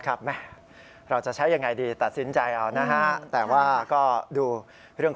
ครับแม่เราจะใช้ยังไงดีตัดสินใจเอานะฮะแต่ว่าก็ดูเรื่องของ